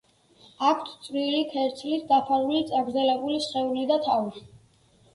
აქვთ წვრილი ქერცლით დაფარული წაგრძელებული სხეული და თავი.